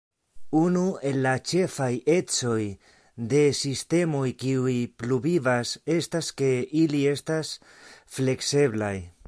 Unu el la ĉefaj ecoj de sistemoj kiuj pluvivas estas ke ili estas flekseblaj.